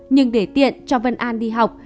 nhưng để tiện cho v a đi học